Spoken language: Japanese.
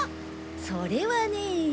それはねえ。